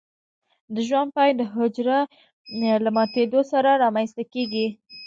د ژوند پای د حجره له ماتیدو سره رامینځته کیږي.